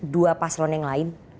dua paslon yang lain